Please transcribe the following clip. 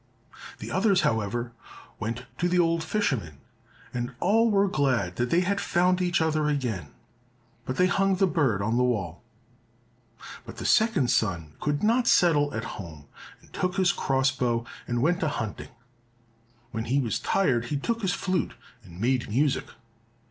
The others, however, went to the old fisherman, and all were glad that they had found each other again, but they hung the bird on the wall. But the second son could not settle at home, and took his cross bow and went a hunting. When he was tired he took his flute, and made music.